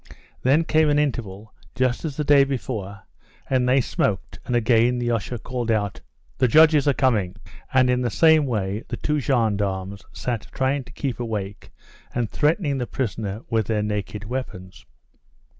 Then came an interval, just as the day before, and they smoked; and again the usher called out "The judges are coming," and in the same way the two gendarmes sat trying to keep awake and threatening the prisoner with their naked weapons.